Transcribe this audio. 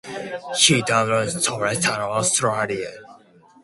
He subsequently joined the Communist Party of Australia.